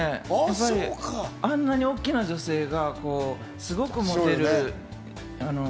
あんな大きな女性がすごくモテる。